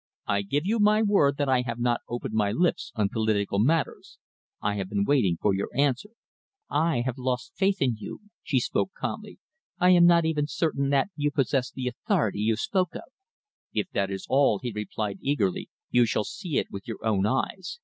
I give you my word that I have not opened my lips on political matters. I have been waiting for your answer." "I have lost faith in you," she told him calmly. "I am not even certain that you possess the authority you spoke of." "If that is all," he replied eagerly, "you shall see it with your own eyes.